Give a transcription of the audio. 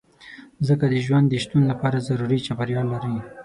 مځکه د ژوند د شتون لپاره ضروري چاپېریال لري.